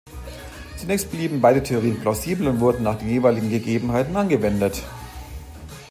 Zunächst blieben beide Theorien plausibel und wurden nach den jeweiligen Gegebenheiten angewendet.